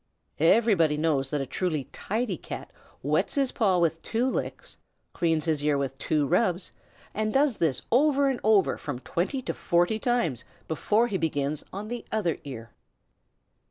Everybody knows that a truly tidy Cat wets his paw with two licks, cleans his ear with two rubs, and does this over and over from twenty to forty times before he begins on the other ear.